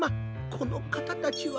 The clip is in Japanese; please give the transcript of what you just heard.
このかたたちは。